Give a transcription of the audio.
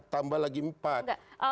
tambah lagi empat